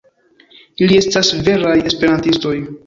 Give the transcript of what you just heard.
Ili estas veraj Esperantistoj!